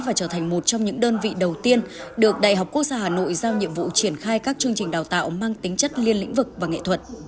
và trở thành một trong những đơn vị đầu tiên được đại học quốc gia hà nội giao nhiệm vụ triển khai các chương trình đào tạo mang tính chất liên lĩnh vực và nghệ thuật